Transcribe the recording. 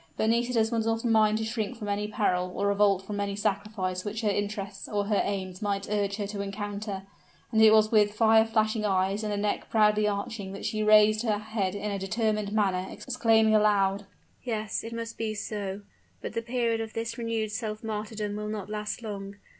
But Nisida's was not a mind to shrink from any peril or revolt from any sacrifice which her interests or her aims might urge her to encounter; and it was with fire flashing eyes and a neck proudly arching, that she raised her head in a determined manner, exclaiming aloud, "Yes, it must be so. But the period of this renewed self martyrdom will not last long.